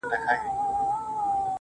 پېغور دی، جوړ دی، کلی دی له ډاره راوتلي,